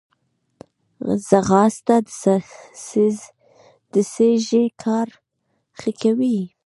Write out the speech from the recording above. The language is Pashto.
ځغاسته د سږي کار ښه کوي